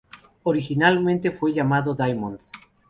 Originalmente fue llamado Diamond.